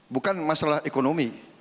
bukan masalah ekonomi